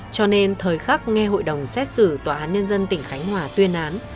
cho nên thời khắc nghe hội đồng xét xử tòa án nhân dân tỉnh khánh hòa tuyên án